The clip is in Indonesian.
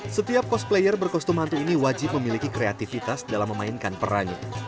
setiap cosplayer berkostum hantu ini wajib memiliki kreativitas dalam memainkan perannya